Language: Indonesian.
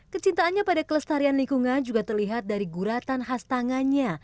kecintaannya pada kelestarian lingkungan juga terlihat dari guratan khas tangannya